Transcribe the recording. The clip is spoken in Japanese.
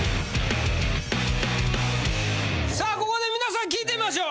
さあここで皆さん聞いてみましょう。